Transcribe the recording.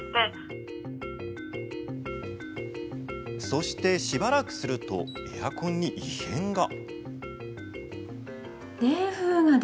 そして、しばらくするとエアコンに異変が。